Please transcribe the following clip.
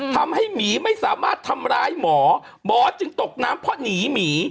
หมีไม่สามารถทำร้ายหมอหมอจึงตกน้ำเพราะหนีหมี